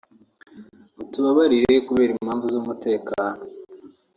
mutubabarire kubera impamvu z’umutekano